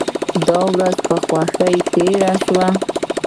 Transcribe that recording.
دا ورځ په خوښۍ تیره شوه.